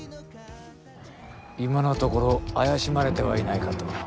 今のところ怪しまれてはいないかと。